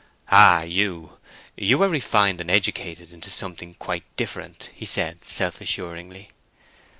"Ah YOU—you are refined and educated into something quite different," he said, self assuringly.